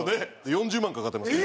４０万かかってます。